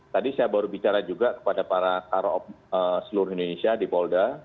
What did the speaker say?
tadi saya baru bicara juga kepada para karop seluruh indonesia di polda